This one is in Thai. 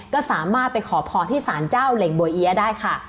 ก็สามารถไปขอพรที่สารเจ้าเหล่งบัวเอี๊ยะได้ค่ะ